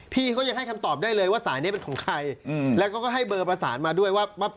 พี่เขายังให้คำตอบได้เลยว่าสายนี้เป็นของใครแล้วก็ให้เบอร์ประสานมาด้วยว่า